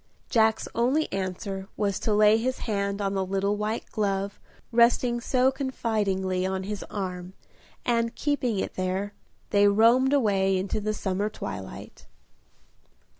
Jack's only answer was to lay his hand on the little white glove resting so confidingly on his arm, and, keeping it there, they roamed away into the summer twilight.